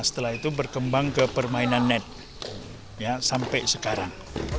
setelah itu berkembang ke permainan net ya sampai sekarang